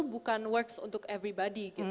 bukan works untuk everybody